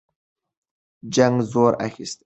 جنګ زور اخیسته.